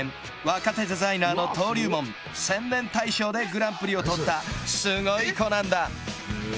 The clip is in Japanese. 若手デザイナーの登竜門千年大賞でグランプリをとったすごい子なんだ